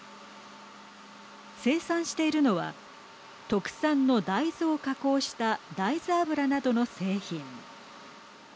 生産しているのは特産の大豆を加工した大豆油などの製品。